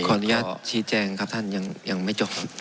ขออนุญาตชีวิตแจงครับท่านยังไม่จบ